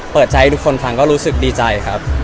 เปิดใจให้ทุกคนฟังก็รู้สึกดีใจครับ